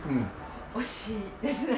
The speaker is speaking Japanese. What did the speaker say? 惜しいですね。